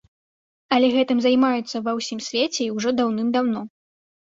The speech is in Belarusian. Але гэтым займаюцца ва ўсім свеце і ўжо даўным-даўно.